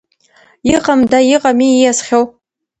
Иҟамда, иҟами ииасхьоу…